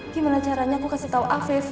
gimana caranya aku kasih tau afif